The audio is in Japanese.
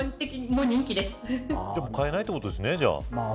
もう買えないってことですねじゃあ。